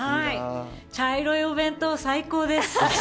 茶色いお弁当、最高です！